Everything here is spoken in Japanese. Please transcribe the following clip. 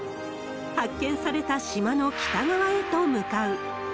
発見された島の北側へと向かう。